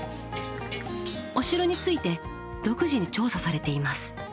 お城について独自に調査されています。